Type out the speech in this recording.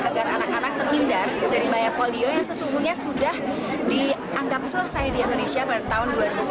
agar anak anak terhindar dari bahaya polio yang sesungguhnya sudah dianggap selesai di indonesia pada tahun dua ribu empat belas